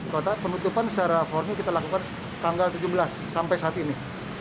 kota penutupan secara formil kita lakukan tanggal tujuh belas sampai saat ini